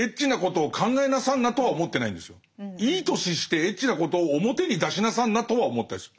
いい年してエッチなことを表に出しなさんなとは思ったりする。